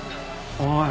おい。